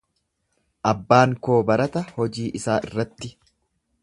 Abbaan koo barata hojii isaa irratti.